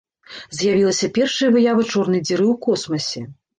З'явілася першая выява чорнай дзіры ў космасе.